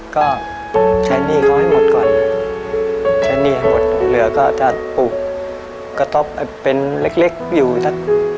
ก็ใช้หนี้เขาให้หมดก่อนใช้หนี้ให้หมดเหลือก็จะปลูกกระต๊อบเป็นเล็กเล็กอยู่สัก